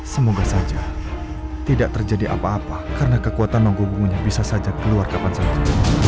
semoga saja tidak terjadi apa apa karena kekuatan nunggu bungunya bisa saja keluar kapan saja